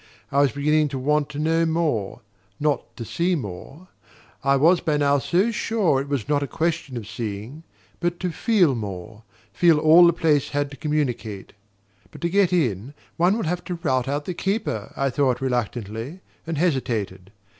I was beginning to want to know more; not to SEE more I was by now so sure it was not a question of seeing but to feel more: feel all the place had to communicate. "But to get in one will have to rout out the keeper," I thought reluctantly, and hesitated.